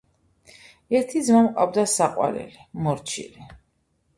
ერთი ძმა მყავდა საყვარელი, მორჩილი